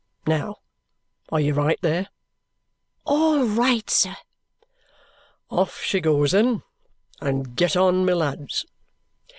Now, are you right there?" "All right, sir!" "Off she goes, then. And get on, my lads!"